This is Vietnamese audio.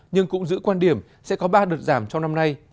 nhưng cũng giữ quan điểm sẽ có ba đợt giảm trong năm nay